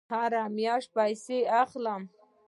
هره میاشت پیسې اخلم